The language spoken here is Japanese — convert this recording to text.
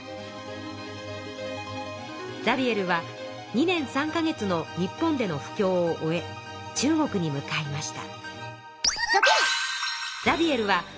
ザビエルは２年３か月の日本での布教を終え中国に向かいました。